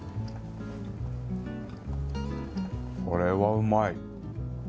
これはうまい。